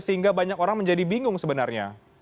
sehingga banyak orang menjadi bingung sebenarnya